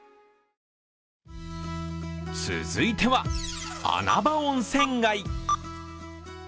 続いては、穴場温泉街。